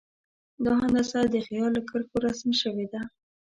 دا هندسه د خیال له کرښو رسم شوې ده.